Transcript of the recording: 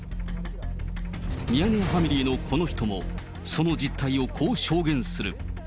ミヤネ屋ファミリーのこの人も、その実態をこう証言する。